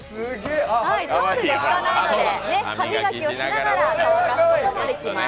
タオルで拭かないので、歯磨きをしながら乾かすことができます。